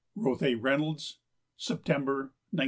Rothay Reynolds, September 1918.